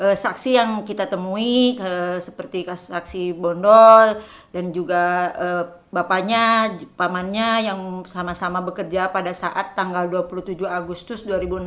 ada saksi yang kita temui seperti saksi bondol dan juga bapaknya pamannya yang sama sama bekerja pada saat tanggal dua puluh tujuh agustus dua ribu enam belas